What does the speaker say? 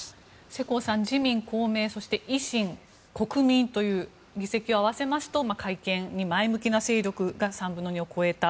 世耕さん、自民・公明維新、国民という議席を合わせますと改憲に前向きな勢力が３分の２を超えた。